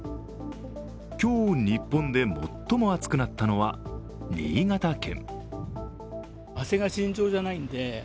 今日、日本で最も暑くなったのは新潟県。